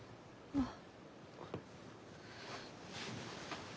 あっ！